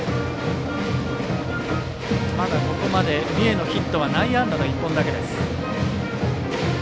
まだ、ここまで三重のヒットは内野安打の１本だけです。